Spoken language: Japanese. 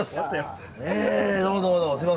どうもどうもすいません。